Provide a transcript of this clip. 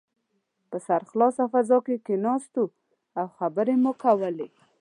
په سرخلاصه فضا کې کښېناستو او خبرې مو کولې.